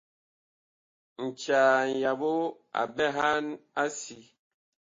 Ncaa ŋyaɓo a ɓɛhan a si.